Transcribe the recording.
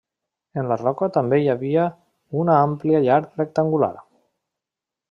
En la roca també hi havia una àmplia llar rectangular.